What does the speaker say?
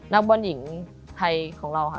นักบอลหญิงไทยของเราค่ะ